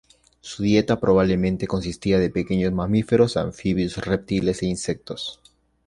Su dieta probablemente consistía de pequeños mamíferos, anfibios, reptiles e insectos.